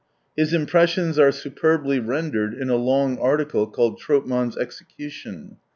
His impressions are superbly rendered in a long article called " Tropman's Execution."